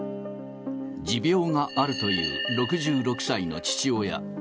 持病があるという６６歳の父親。